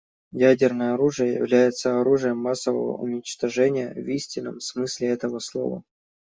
Ядерное оружие является оружием массового уничтожения в истинном смысле этого слова.